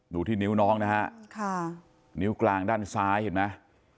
ดูที่นิ้วน้องนะฮะค่ะนิ้วกลางด้านซ้ายเห็นไหม